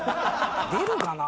出るかな？